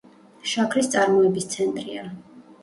შაქრის წარმოების ცენტრია.